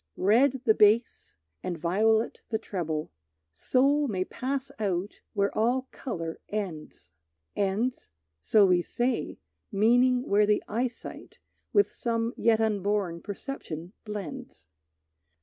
Red the bass and violet the treble, Soul may pass out where all color ends. Ends? So we say, meaning where the eyesight With some yet unborn perception blends.